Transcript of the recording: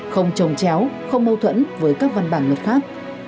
không trồng chéo không mâu thuẫn với các văn bản luật khác